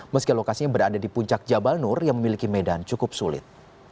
meski lokasinya berada di puncak jabal nur yang memiliki medan cukup sulit